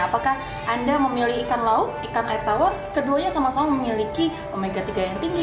apakah anda memilih ikan laut ikan air tawar keduanya sama sama memiliki mega tiga yang tinggi